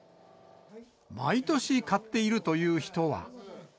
毎年買っているという人は。